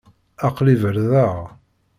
Aql-i berdaɣ.